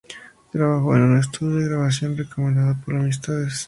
Trabajó en un estudio de grabación recomendado por amistades.